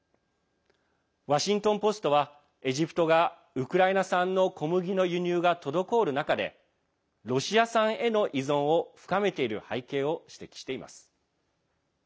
ワシントン・ポストはエジプトがウクライナ産の小麦の輸入が滞る中でロシア産への依存を深めている背景を指摘しています。